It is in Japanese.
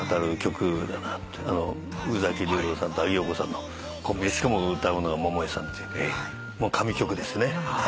宇崎竜童さんと阿木燿子さんのコンビでしかも歌うのが百恵さんという神曲ですね。